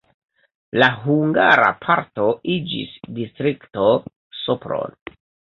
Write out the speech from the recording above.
La hungara parto iĝis Distrikto Sopron.